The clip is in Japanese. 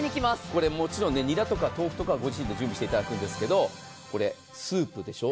これもちろん、にらとか豆腐とかはご自身で準備していただくんですけど、スープでしょ、